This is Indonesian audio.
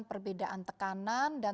perbedaan tekanan dan